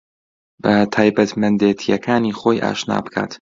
بە تایبەتمەندێتییەکانی خۆی ئاشنا بکات